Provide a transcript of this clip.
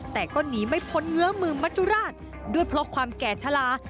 แต่ก็หนีไม่พ้นเงื้อมือมัจจุราชด้วยเพราะความแก่ชะลา